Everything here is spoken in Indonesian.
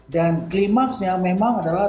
dan klimaksnya memang adalah